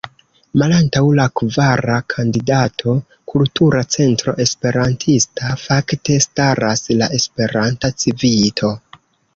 Malantaŭ la kvara kandidato, Kultura Centro Esperantista, fakte staras la Esperanta Civito.